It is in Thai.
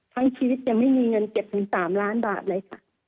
ทั้งชีวิตยังไม่มีเงินเก็บถึง๓ล้านบาทเลยค่ะ